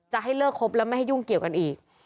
จะให้เลิกคบแล้วไม่ให้ยุ่งเกี่ยวกันอีก